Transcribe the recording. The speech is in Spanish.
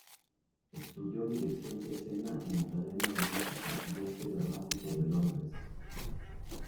Estudió Dirección de Escena en la Academia de Música y Arte Dramático de Londres.